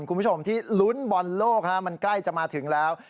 คุณผู้ชมที่ลุ้นบอลโลกมันใกล้จะมาถึงแล้ว